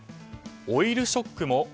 オイルショックも？